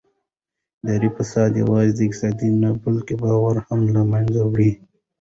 اداري فساد یوازې اقتصاد نه بلکې باور هم له منځه وړي